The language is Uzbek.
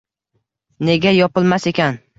— Nega yopilmas ekan?!